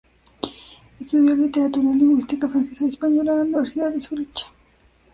Estudió literatura y lingüística francesa y española, en la Universidad de Zúrich.